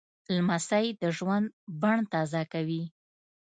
لمسی د ژوند بڼ تازه کوي.